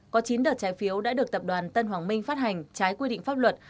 có chín đợt trái phiếu đã được tập đoàn tân hoàng minh phát hành trái quy định pháp luật